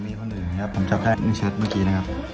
มีคนอื่นครับผมจับแค่๑ชุดเมื่อกี้นะครับ